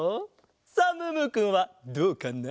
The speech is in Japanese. さあムームーくんはどうかな？